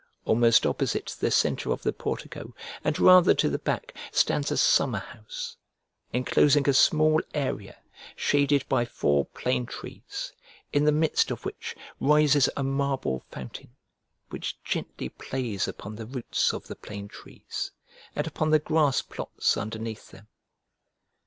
Almost opposite the centre of the portico, and rather to the back, stands a summer house, enclosing a small area shaded by four plane trees, in the midst of which rises a marble fountain which gently plays upon the roots of the plane trees and upon the grass plots underneath them.